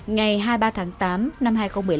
ngày hai mươi ba tháng tám năm hai nghìn một mươi năm